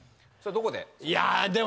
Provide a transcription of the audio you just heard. どこで？